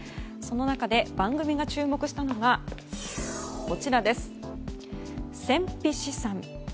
その中で番組が注目したのが戦費試算。